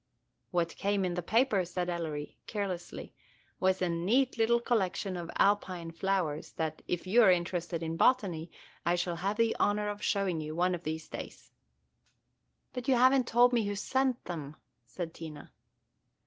"What came in the paper," said Ellery, carelessly, "was, a neat little collection of Alpine flowers, that, if you are interested in botany, I shall have the honor of showing you one of these days." "But you have n't told me who sent them," said Tina.